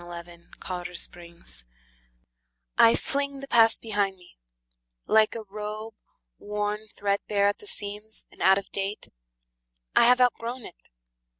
Ella Wheeler Wilcox The Past I FLING the past behind me, like a robe Worn threadbare at the seams, and out of date. I have outgrown it.